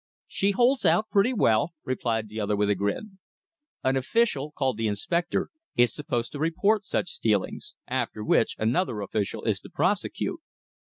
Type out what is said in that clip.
"She holds out pretty well," replied the other with a grin. An official, called the Inspector, is supposed to report such stealings, after which another official is to prosecute.